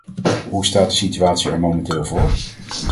Hoe staat de situatie er momenteel voor?